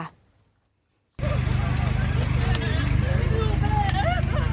โปรดประสงค์